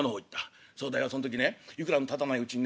「そうだよそん時ねいくらもたたないうちにね